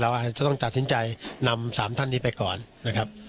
อาจจะต้องตัดสินใจนำ๓ท่านนี้ไปก่อนนะครับ